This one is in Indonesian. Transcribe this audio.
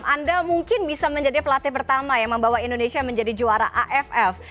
anda mungkin bisa menjadi pelatih pertama yang membawa indonesia menjadi juara aff